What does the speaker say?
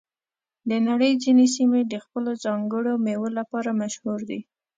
د نړۍ ځینې سیمې د خپلو ځانګړو میوو لپاره مشهور دي.